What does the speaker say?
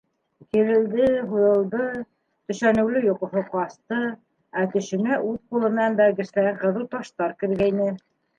Кирелде-һуҙылды, төшәнеүле йоҡоһо ҡасты, ә төшөнә үҙ ҡулы менән бәргесләгән ҡыҙыл таштар кергәйне.